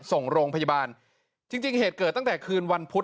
ส่งโรงพยาบาลจริงจริงเหตุเกิดตั้งแต่คืนวันพุธ